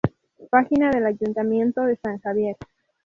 Página del ayuntamiento de San Javier